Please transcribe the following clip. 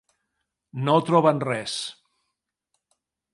No troben res.